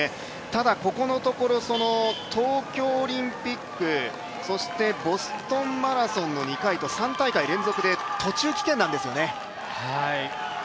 ただここのところ、東京オリンピック、そしてボストンマラソンの２回と３大会連続で途中棄権なんですよね